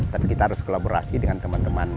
tapi kita harus kolaborasi dengan teman teman